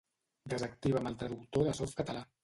Desactiva'm el Traductor de Softcatalà.